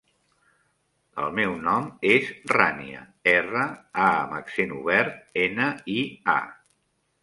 El meu nom és Rània: erra, a amb accent obert, ena, i, a.